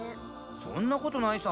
そんなことないさ。